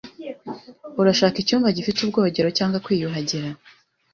Urashaka icyumba gifite ubwogero cyangwa kwiyuhagira?